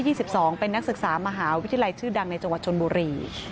เป็นนักศึกษามหาวิทยาลัยชื่อดังในจังหวัดชนบุรี